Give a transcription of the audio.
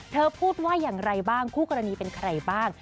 พูดว่าอย่างไรบ้างคู่กรณีเป็นใครบ้าง